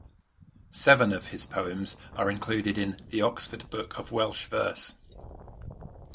Seven of his poems are included in "The Oxford Book of Welsh Verse".